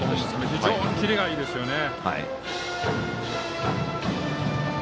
非常にキレがいいですよね。